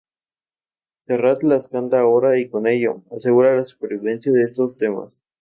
Serrat las canta ahora y con ello, asegura la supervivencia de esos temas.